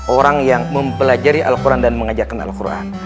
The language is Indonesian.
orang yang mempelajari al quran dan mengajarkan al quran